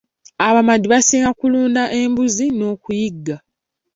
Abamadi baasiima okulunda embuzi n'okuyigga.